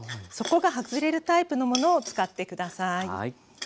底が外れるタイプのものを使って下さい。